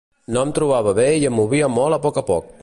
No em trobava bé i em movia molt a poc a poc.